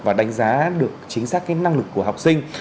và đánh giá được chính xác cái năng lực của học sinh